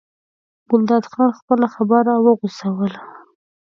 ګلداد خان خپله خبره وغځوله.